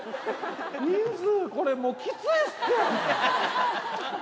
人数これもう、きついって。